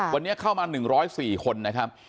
วันนี้เข้ามาหนึ่งร้อยสี่คนนะครับ